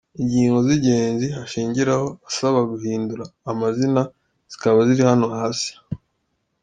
Ingingo z’ingenzi ashingiraho asaba guhindura amazina zikaba ziri hano hasi:.